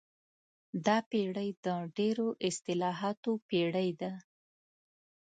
دا پېړۍ د ډېرو اصطلاحاتو پېړۍ ده.